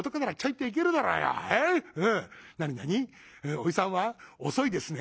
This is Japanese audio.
『おじさんは遅いですね』。